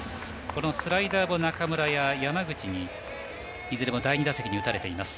このスライダーも中村や山口にいずれも第２打席に打たれています。